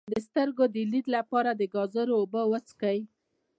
د سترګو د لید لپاره د ګازرې اوبه وڅښئ